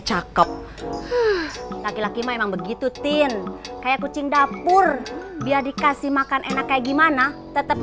cakep laki laki memang begitu tin kayak kucing dapur biar dikasih makan enak kayak gimana tetep